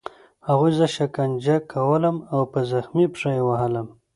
هغوی زه شکنجه کولم او په زخمي پښه یې وهلم